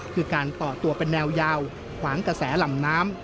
คือการต่อตัวเป็นแนวยาวขวางกระแสลำน้ำ